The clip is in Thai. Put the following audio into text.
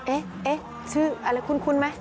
เอ๊ะชื่ออะไรคุ้นไหม